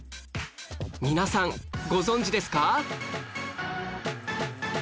皆さんご存じですか？